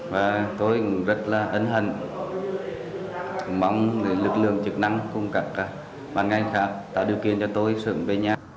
và tôi rất là ấn hận mong lực lượng chức năng cung cập các bán ngành khác tạo điều kiện cho tôi sử dụng về nhà